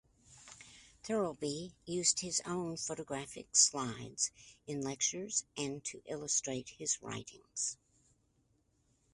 Thurlby used his own photographic slides in lectures and to illustrate his writings.